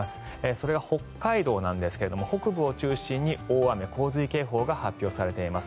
それが北海道なんですが北部を中心に大雨・洪水警報が発表されています。